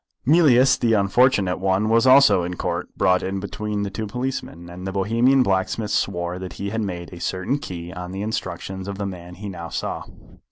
Mealyus the unfortunate one was also in Court, brought in between two policemen, and the Bohemian blacksmith swore that he had made a certain key on the instructions of the man he now saw.